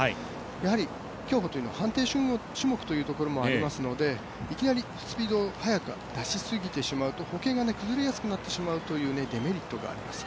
やはり競歩というのは、判定種目というところもありますのでいきなりスピード速く出し過ぎてしまうと歩型が崩れやすくなってしまうというのがあります。